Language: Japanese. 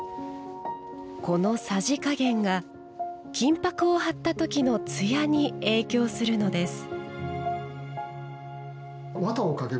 このさじ加減が金ぱくを貼った時の艶に影響するのです。